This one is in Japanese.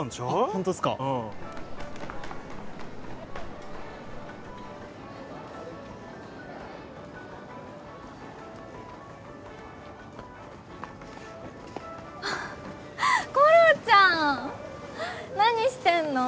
ホントっすかころちゃん何してんの？